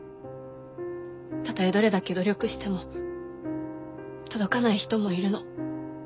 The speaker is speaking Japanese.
たとえどれだけ努力しても届かない人もいるの。